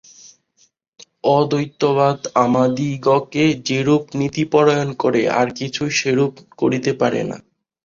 অদ্বৈতবাদ আমাদিগকে যেরূপ নীতিপরায়ণ করে, আর কিছুই সেরূপ করিতে পারে না।